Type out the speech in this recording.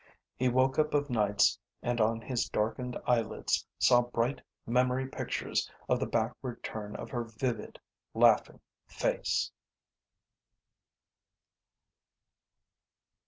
He woke up of nights and on his darkened eyelids saw bright memory pictures of the backward turn of her vivid, laughing face.